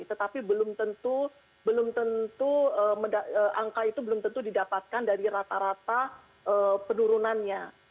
tetapi belum tentu angka itu belum tentu didapatkan dari rata rata penurunannya